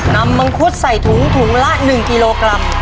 มังคุดใส่ถุงถุงละ๑กิโลกรัม